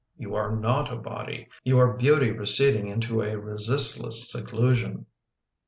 You are not a body — you are beauty receding into a resistless seclusion."